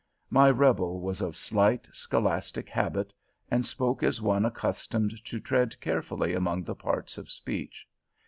My Rebel was of slight, scholastic habit, and spoke as one accustomed to tread carefully among the parts of speech.